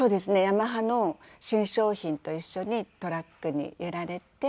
ヤマハの新商品と一緒にトラックに揺られて。